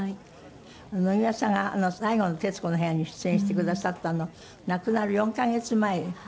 野際さんが最後の『徹子の部屋』に出演してくださったの亡くなる４カ月前で。